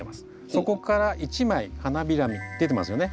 そこから１枚花びら出てますよね？